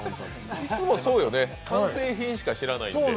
いつもそうよね、完成品しかしらないんで。